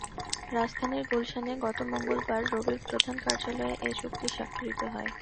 রাজধানীর গুলশানে গত মঙ্গলবার রবির প্রধান কার্যালয়ে এ চুক্তি স্বাক্ষরিত হয়।